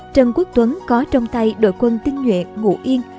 trần quốc tuấn có trong tay đội quân tinh nhuệ ngũ yên